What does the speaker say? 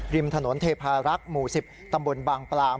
ริมถนนเทพารักษ์หมู่๑๐ตำบลบางปลาม